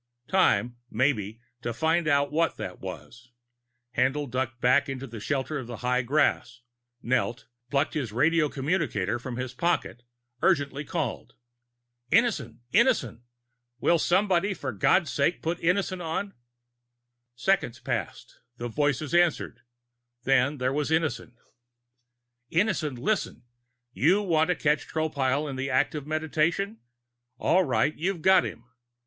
Time, maybe, to find out what that was! Haendl ducked back into the shelter of the high grass, knelt, plucked his radio communicator from his pocket, urgently called. "Innison! Innison, will somebody, for God's sake, put Innison on!" Seconds passed. Voices answered. Then there was Innison. "Innison, listen! You wanted to catch Tropile in the act of Meditation? All right, you've got him.